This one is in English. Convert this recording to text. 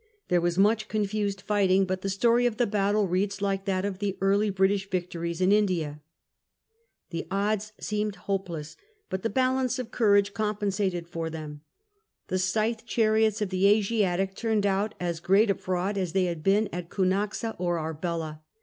There was much confused fighting, but the story of the battle reads like that of the early British victories in India. The odds seemed hopeless, but the balance of courage compensated for them. The scythe chariots of the Asiatic turned out as great a fraud as they had been at Ounaxa or Arbela.